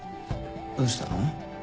どうしたの？